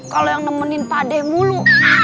kalau yang nemenin padeh mulu